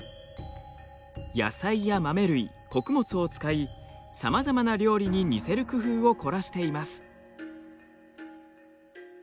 野菜や豆類穀物を使いさまざまな料理に似せる工夫を凝らしています。